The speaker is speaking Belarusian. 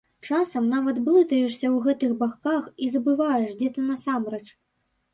Часам нават блытаешся ў гэтых баках і забываеш, дзе ты насамрэч.